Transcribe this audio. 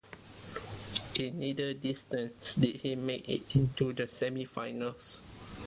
In neither distance did he make it into the semifinals.